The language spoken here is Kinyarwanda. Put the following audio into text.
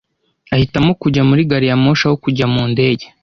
Ahitamo kujya muri gari ya moshi aho kujya mu ndege.